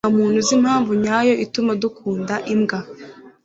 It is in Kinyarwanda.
Ntamuntu uzi impamvu nyayo ituma dukunda imbwa.